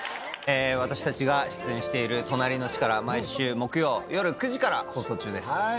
私たちが出演している『となりのチカラ』毎週木曜よる９時から放送中です。